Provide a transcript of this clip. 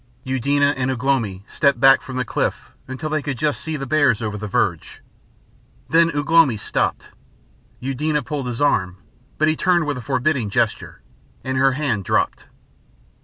Eudena and Ugh lomi stepped back from the cliff until they could just see the bears over the verge. Then Ugh lomi stopped. Eudena pulled his arm, but he turned with a forbidding gesture, and her hand dropped.